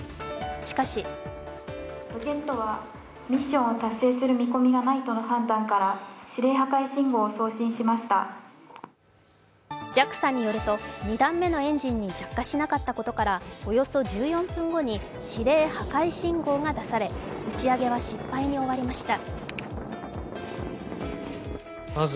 しかしＪＡＸＡによると２段目のエンジンに着火しなかったことからおよそ１４分後に指令破壊信号が出され打ち上げは失敗に終わりました。